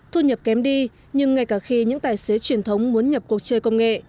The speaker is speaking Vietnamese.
thu nhập kém đi nhưng ngay cả khi những tài xế truyền thống muốn nhập cuộc chơi công nghệ